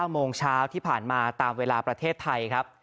โมงเช้าที่ผ่านมาตามเวลาประเทศไทยครับ